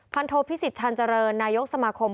โทพิสิทธชันเจริญนายกสมาคม